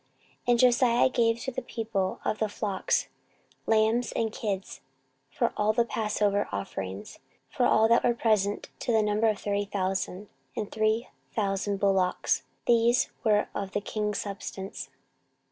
14:035:007 And Josiah gave to the people, of the flock, lambs and kids, all for the passover offerings, for all that were present, to the number of thirty thousand, and three thousand bullocks: these were of the king's substance.